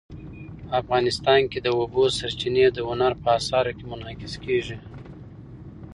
افغانستان کې د اوبو سرچینې د هنر په اثار کې منعکس کېږي.